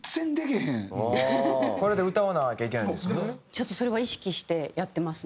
ちょっとそれは意識してやってますね